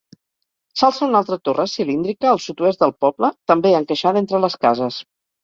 S'alça una altra torre, cilíndrica, al sud-oest del poble, també encaixada entre les cases.